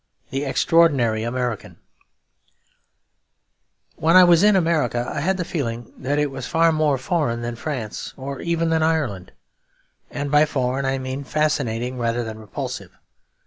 The Extraordinary American When I was in America I had the feeling that it was far more foreign than France or even than Ireland. And by foreign I mean fascinating rather than repulsive.